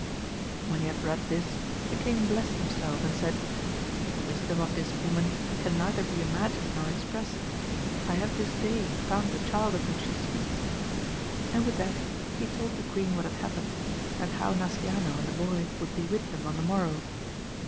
When he had read this, the king blessed himself and fiaid, The wisdom of this woman can neither be imagined nor expressed ! I have this day found the child of whom she speaks I and with that he told the queen what had happened, and how Nasciano and the boy would be with them on the morrow.